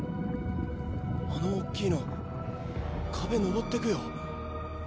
「あの大きいの壁登ってくよ」